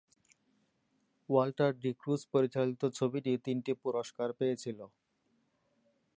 Walter D'Cruz পরিচালিত ছবিটি তিনটি পুরষ্কার পেয়েছিল।